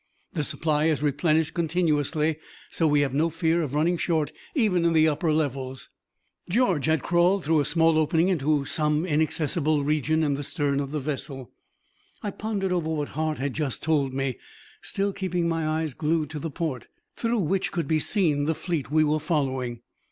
The supply is replenished continuously, so we have no fear of running short even in the upper levels." George had crawled through a small opening into some inaccessible region in the stern of the vessel. I pondered over what Hart had just told me, still keeping my eyes glued to the port, through which could be seen the fleet we were following.